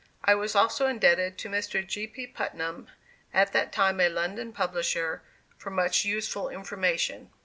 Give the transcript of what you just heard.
I was also indebted to Mr. G. P. Putnam, at that time a London publisher, for much useful information.